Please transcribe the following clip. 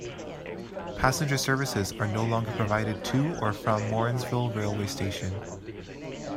Passenger services are no longer provided to or from Morrinsville Railway Station.